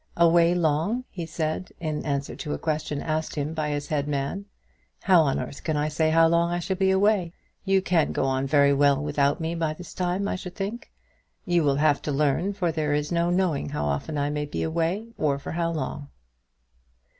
"Away long?" he said, in answer to a question asked him by his head man; "how on earth can I say how long I shall be away? You can go on well enough without me by this time, I should think. You will have to learn, for there is no knowing how often I may be away, or for how long."